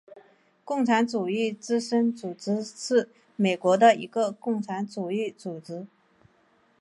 共产主义之声组织是美国的一个共产主义组织。